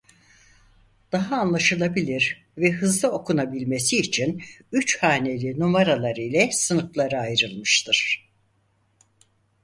Daha anlaşılabilir ve hızlı okunabilmesi için üç haneli numaralar ile sınıflara ayrılmıştır.